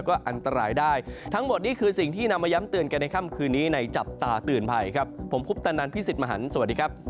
โอ้โฮ